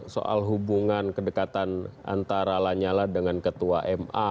soal hubungan kedekatan antara lanyala dengan ketua ma